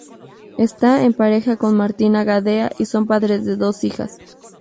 Está en pareja con Martina Gadea y son padres de dos hijas.